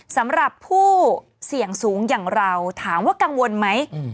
สำหรับผู้เสี่ยงสูงอย่างเราถามว่ากังวลไหม